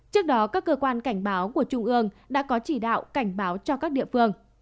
trước đó các cơ quan cảnh báo của trung ương đã có chỉ đạo cảnh báo cho các địa phương